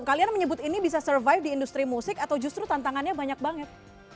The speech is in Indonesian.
kalian menyebut ini bisa survive di industri musik atau justru tantangannya banyak banget